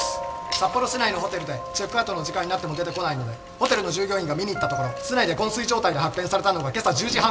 札幌市内のホテルでチェックアウトの時間になっても出てこないのでホテルの従業員が見に行ったところ室内で昏睡状態で発見されたのが今朝１０時半ごろです。